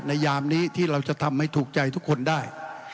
ยามนี้ที่เราจะทำให้ถูกใจทุกคนได้